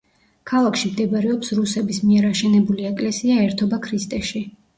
ქალაქში მდებარეობს რუსების მიერ აშენებული ეკლესია „ერთობა ქრისტეში“.